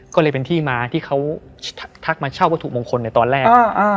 ก็เลยเป็นที่มาที่เขาทักมาเช่าวัตถุมงคลในตอนแรก